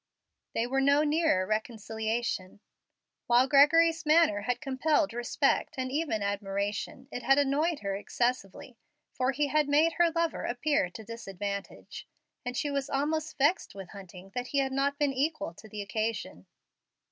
They were no nearer reconciliation. While Gregory's manner had compelled respect and even admiration, it had annoyed her excessively, for he had made her lover appear to disadvantage, and she was almost vexed with Hunting that he had not been equal to the occasion.